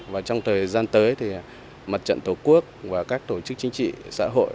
và trong thời gian tới mặt trận tổ quốc các tổ chức chính trị xã hội